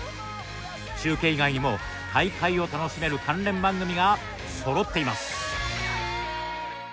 中継以外にも、大会を楽しめる関連番組がそろっています。